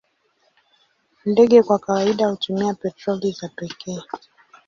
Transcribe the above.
Ndege kwa kawaida hutumia petroli za pekee.